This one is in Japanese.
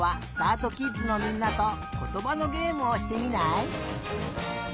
あとキッズのみんなとことばのげえむをしてみない？